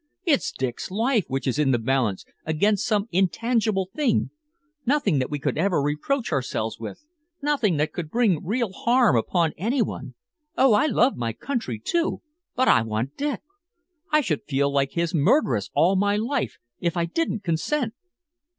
It's Dick's life which is in the balance against some intangible thing, nothing that we could ever reproach ourselves with, nothing that could bring real harm upon any one. Oh, I love my country, too, but I want Dick! I should feel like his murderess all my life, if I didn't consent!"